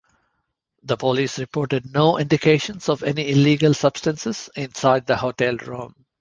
The police reported no indications of any illegal substances inside the hotel room.